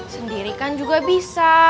sendirikan juga bisa